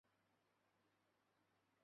担任户部郎中。